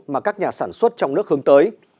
mà các nhà sản xuất trong nước hướng tới